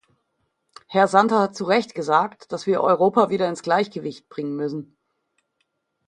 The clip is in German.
Herr Santer hat zu Recht gesagt, dass wir Europa wieder ins Gleichgewicht bringen müssen.